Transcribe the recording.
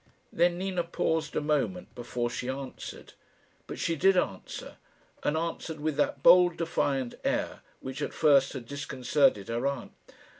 Then Nina paused a moment before she answered. But she did answer, and answered with that bold defiant air which at first had disconcerted her aunt.